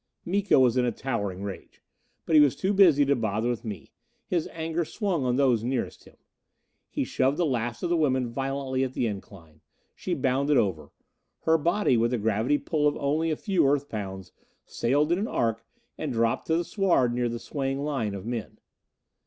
Miko was in a towering rage. But he was too busy to bother with me; his anger swung on those nearest him. He shoved the last of the women violently at the incline. She bounded over. Her body, with the gravity pull of only a few Earth pounds, sailed in an arc and dropped to the sward near the swaying line of men.